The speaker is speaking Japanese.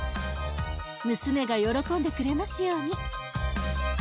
娘が喜んでくれますように。